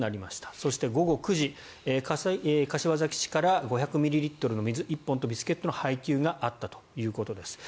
そして、午後９時、柏崎市から５００ミリリットルの水１本とビスケットの配給があったということです。